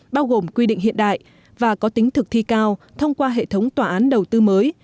bao gồm quy định hiện đại và có tính thực thi cao thông qua hệ thống tòa án đầu tư mới